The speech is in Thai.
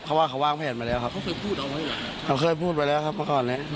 เขาว่าเขาวางเพลงมาแล้วครับเขาเคยพูดไปแล้วครับเมื่อก่อนนี้